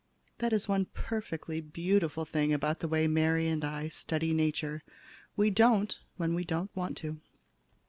That is one perfectly beautiful thing about the way Mary and I study Nature. We don't when we don't want to.